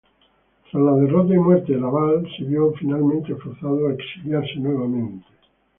Tras la derrota y muerte de Lavalle, se vio finalmente forzado a exiliarse nuevamente.